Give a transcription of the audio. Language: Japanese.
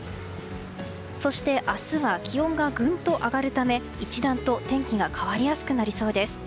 そして、明日は気温がぐんと上がるため一段と天気が変わりやすくなりそうです。